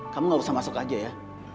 kamu gak usah masuk aja ya